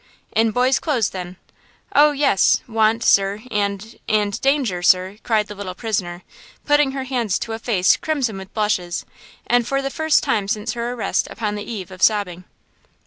"In boy's clothes, then?" "Oh, yes; want, sir–and–and–danger, sir!" cried the little prisoner, putting her hands to a face crimson with blushes and for the first time since her arrest upon the eve of sobbing.